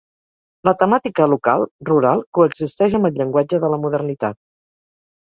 La temàtica local, rural, coexisteix amb el llenguatge de la modernitat.